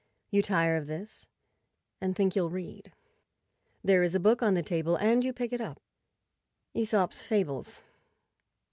You tire of this, and think you'll read. There is a book on the table, and you pick it up. ./Esop's Fables.